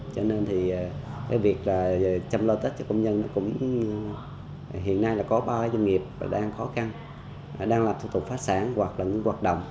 vì việc chăm lo tết cho công nhân hiện nay có ba doanh nghiệp đang khó khăn đang làm thủ tục phát sản hoặc hoạt động